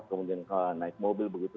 kemudian naik mobil begitu